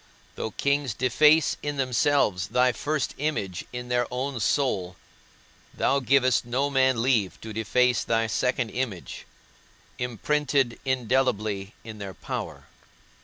Though kings deface in themselves thy first image in their own soul, thou givest no man leave to deface thy second image, imprinted indelibly in their power.